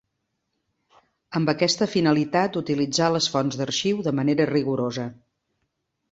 Amb aquesta finalitat utilitzà les fonts d'arxiu de manera rigorosa.